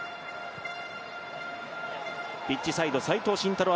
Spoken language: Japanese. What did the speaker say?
ピッチサイド、齋藤慎太郎